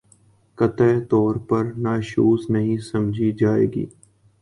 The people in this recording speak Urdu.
قطعی طور پر نشوزنہیں سمجھی جائے گی